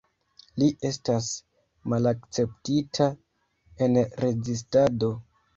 Li estas malakceptita en rezistado.